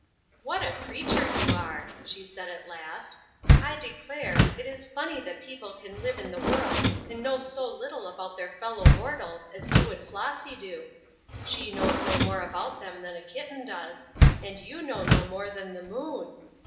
"What a creature you are!" she said, at last. "I declare, it is funny that people can live in the world and know so little about their fellow mortals as you and Flossy do. She knows no more about them than a kitten does, and you know no more than the moon.